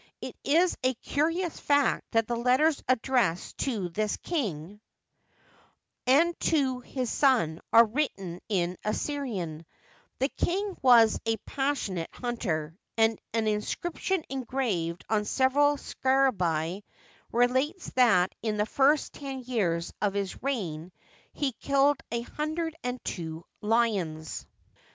It is a curious fact that the letters addressed to this king and to his son are written in Assyrian, The king was a passionate hunter, and an inscription engraved on several scarabaei relates that in the first ten years of his reign he killed a hundred and two lions.